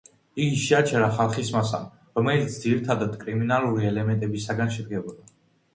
იგი შეაჩერა ხალხის მასამ, რომელიც ძირითადად კრიმინალური ელემენტებისაგან შედგებოდა.